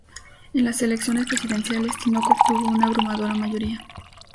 En las elecciones presidenciales, Tinoco obtuvo una abrumadora mayoría.